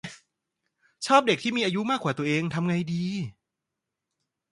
ชอบเด็กที่มีอายุมากกว่าตัวเอง ทำไงดี